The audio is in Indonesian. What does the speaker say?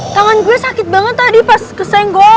tangan gue sakit banget tadi pas kesenggol